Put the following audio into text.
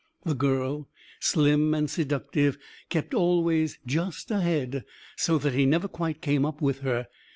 The girl, slim and seductive, kept always just ahead, so that he never quite came up with her.